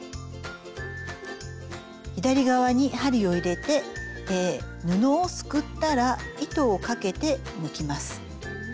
左側に針を入れて布をすくったら糸をかけて抜きます。